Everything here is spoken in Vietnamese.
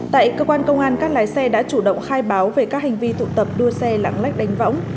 tại cơ quan công an các lái xe đã chủ động khai báo về các hành vi tụ tập đua xe lãng lách đánh võng